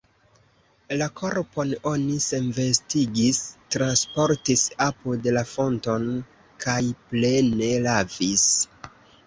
La korpon oni senvestigis, transportis apud la fonton, kaj plene lavis.